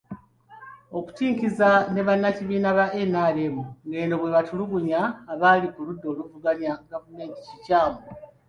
Okutinkiza ne bannakibiina kya NRM ng'eno bwe batulugunya abali ku ludda oluvuganya gavumenti kikyamu.